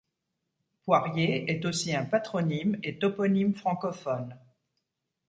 Poirier est aussi un patronyme et toponyme francophone.